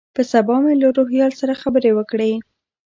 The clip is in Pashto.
په سبا مې له روهیال سره خبرې وکړې.